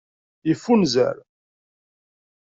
Yeffunzer.